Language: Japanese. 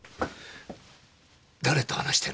誰と話してるの？